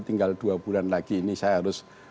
tinggal dua bulan lagi ini saya harus